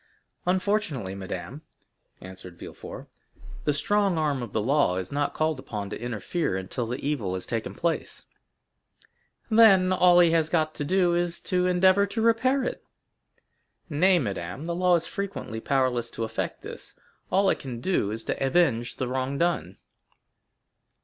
"Unfortunately, madame," answered Villefort, "the strong arm of the law is not called upon to interfere until the evil has taken place." "Then all he has got to do is to endeavor to repair it." "Nay, madame, the law is frequently powerless to effect this; all it can do is to avenge the wrong done."